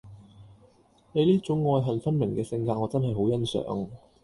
你呢種愛恨分明嘅性格我真係好欣賞